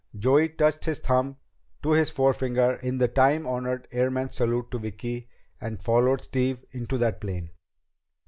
Joey touched his thumb to his forefinger in the time honored airman's salute to Vicki, and followed Steve into the plane.